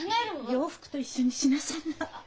洋服と一緒にしなさんな！